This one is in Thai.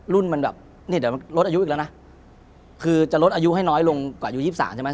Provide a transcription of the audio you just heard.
รุ่นมันแบบเนี่ยเดี๋ยวลดอายุอีกแล้วนะคือจะลดอายุให้น้อยลงกว่าอายุ๒๓ใช่ไหม